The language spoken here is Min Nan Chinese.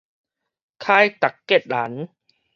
凱達格蘭